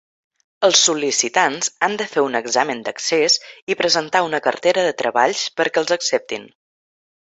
Els sol·licitants han de fer un examen d'accés i presentar una cartera de treballs perquè els acceptin.